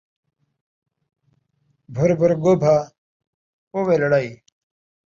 بھُر بھُر ڳوہا، پووے لڑائی